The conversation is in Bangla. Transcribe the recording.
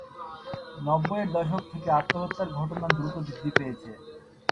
নব্বইয়ের দশক থেকে আত্মহত্যার ঘটনা দ্রুত বৃদ্ধি পেয়েছে।